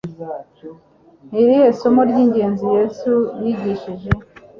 ni irihe somo ry ingenzi yesu yigishije